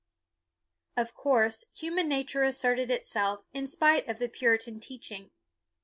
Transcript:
Of course, human nature asserted itself, in spite of the Puritan teaching.